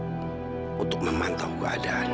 lebih baik sekarang aku kembali ke rumah sakit